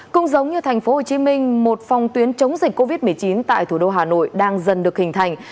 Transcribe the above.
cũng giống như thành phố hồ chí minh một phòng tuyến chống dịch covid một mươi chín tại thủ đô hà nội đang dần được hình thành